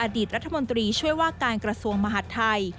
ดีตรัฐมนตรีช่วยว่าการกระทรวงมหาดไทย